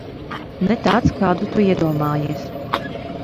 Ne tāds, kādu tu iedomājies.